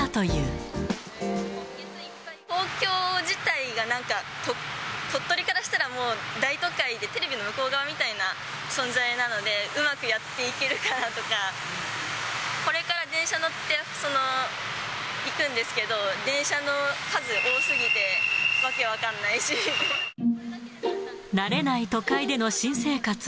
東京自体がなんか、鳥取からしたらもう、大都会で、テレビの向こう側みたいな存在なので、うまくやっていけるかなとか、これから電車に乗って、行くんですけど、電車の数、慣れない都会での新生活。